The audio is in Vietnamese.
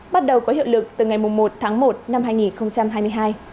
bắt đầu có hiệu lực từ ngày một tháng một năm hai nghìn hai mươi hai